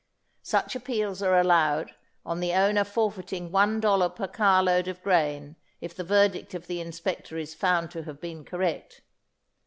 Such appeals are allowed on the owner forfeiting one dollar per car load of grain if the verdict of the inspector is found to have been correct.